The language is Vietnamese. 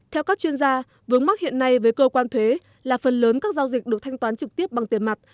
theo các chuyên gia vướng mắc hiện nay với cơ quan thuế là phần lớn các giao dịch được thanh toán trực tiếp bằng tiền mặt